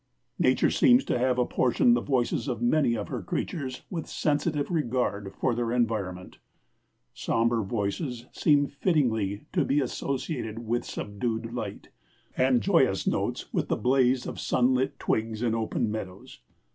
Nature seems to have apportioned the voices of many of her creatures with sensitive regard for their environment. Sombre voices seem fittingly to be associated with subdued light, and joyous notes with the blaze of sunlit twigs and open meadows.